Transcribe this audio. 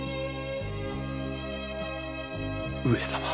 上様。